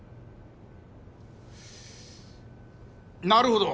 なるほど。